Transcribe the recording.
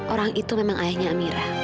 orang itu memang ayahnya amira